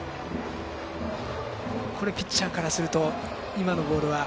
ピッチャーからすると今のボールは？